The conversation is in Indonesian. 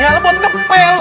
ya allah buat ngepel